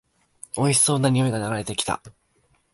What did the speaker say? おいしそうな匂いが流れてきた